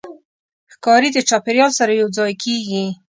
ښکاري د چاپېریال سره یوځای کېږي.